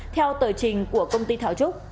theo tờ trình của công ty thảo trúc